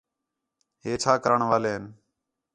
ہے چھا کرݨ والین